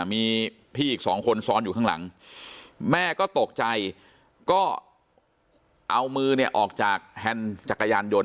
มีพี่อีกสองคนซ้อนอยู่ข้างหลังแม่ก็ตกใจก็เอามือเนี่ยออกจากแฮนด์จักรยานยนต